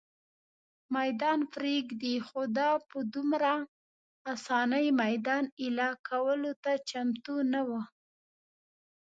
مېدان پرېږدي، خو دا په دومره آسانۍ مېدان اېله کولو ته چمتو نه وه.